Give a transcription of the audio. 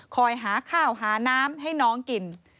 คอยหาข้าวหาน้ำให้น้องกิน